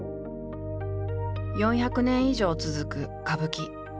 ４００年以上続く歌舞伎。